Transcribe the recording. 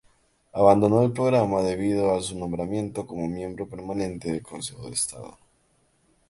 Abandonó el programa debido a su nombramiento como miembro permanente del Consejo de Estado.